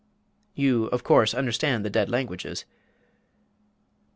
"You, of course, understand the dead languages?"